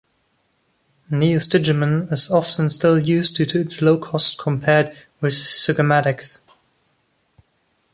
Neostigmine is often still used due to its low cost compared with sugammadex.